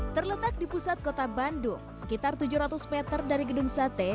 terletak di pusat kota bandung sekitar tujuh ratus meter dari gedung sate